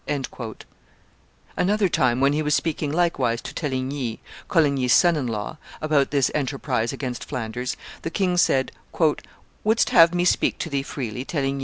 '" Another time, when he was speaking likewise to Teligny, Coligny's son in law, about this enterprise against Flanders, the king said, "Wouldst have me speak to thee freely, Teligny?